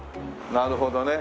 なるほどね。